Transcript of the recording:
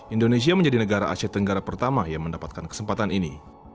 indonesia menjadi negara asia tenggara pertama yang mendapatkan kesempatan ini